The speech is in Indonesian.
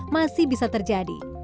masih bisa terjadi